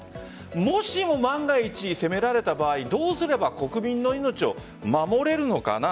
もしも万が一のとき攻められた場合どうすれば国民の命を守れるのかな。